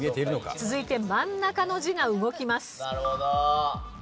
続いて真ん中の字が動きます。